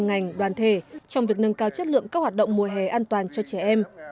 ngành đoàn thể trong việc nâng cao chất lượng các hoạt động mùa hè an toàn cho trẻ em